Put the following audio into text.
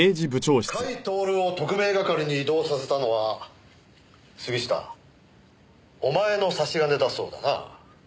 甲斐享を特命係に異動させたのは杉下お前の差し金だそうだな。